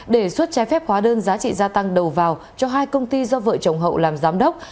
để xuất trái phép hóa đơn giá trị gia tăng đầu vào cho hai công ty do vợ chồng hậu làm giám đốc